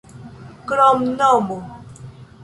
kromnomo